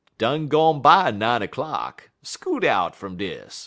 Done gone by nine er'clock. Scoot out fum dis.